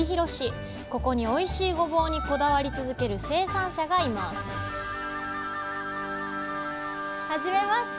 ここにおいしいごぼうにこだわり続ける生産者がいますはじめまして！